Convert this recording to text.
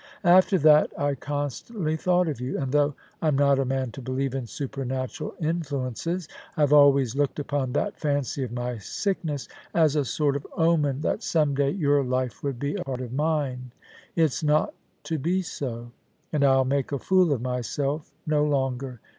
After that I con stantly thought of you, and though Tm not a man to believe in supernatural influences, I have always looked upon that fancy of my sickness as a sort of omen that some day your life would be a part of mine. It's not to be so, and I'll make a fool of myself no longer.